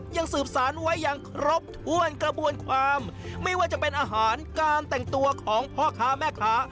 สืบสารไว้อย่างครบถ้วนกระบวนความไม่ว่าจะเป็นอาหารการแต่งตัวของพ่อค้าแม่ค้า